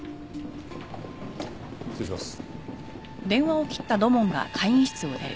失礼します。